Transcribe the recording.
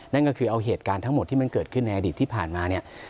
นั่นก็คือเอาเหตุการณ์ทั้งหมดที่มันเกิดขึ้นในอดีตที่ผ่านมาเนี่ย